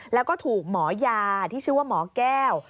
แล้วก็ถูกหมอยาที่ชื่อว่าหมอแก้ว